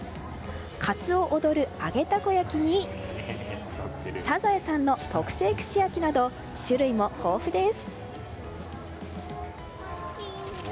カツオ踊る揚げたこ焼きにサザエさんの特製串焼きなど種類も豊富です。